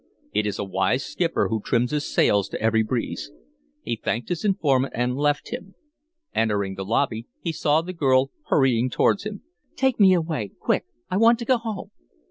It is a wise skipper who trims his sails to every breeze. He thanked his informant and left him. Entering the lobby, he saw the girl hurrying towards him. "Take me away, quick! I want to go home."